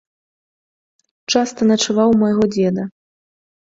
Часта начаваў у майго дзеда.